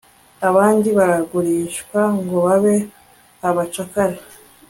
abandi baragurishwa ngo babe abacakara